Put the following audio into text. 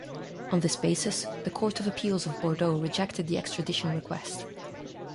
On this basis, the court of appeals of Bordeaux rejected the extradition request.